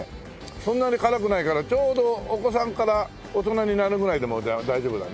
そんなに辛くないからちょうどお子さんから大人になるぐらいでも大丈夫だね。